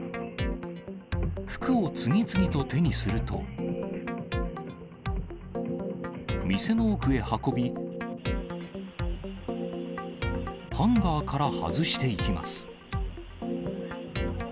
服を次々と手にすると、店の奥へ運び、ハンガーから外していきます。